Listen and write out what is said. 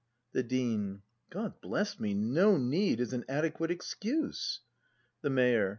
The Dean. God bless me, no Need is an adequate excuse. The Mayor.